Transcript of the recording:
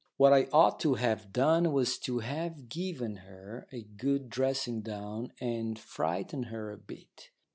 What I ought to have done was to have given her a good dressing down and frightened her a bit.